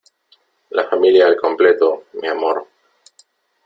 la familia al completo . mi amor ,